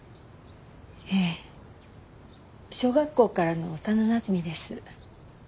ええ。小学校からの幼なじみです。